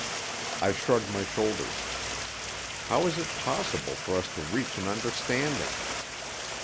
I shrugged my shoulders. How was it possible for us to reach an understanding?